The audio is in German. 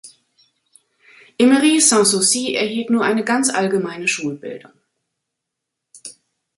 Emery San Souci erhielt nur eine ganz allgemeine Schulbildung.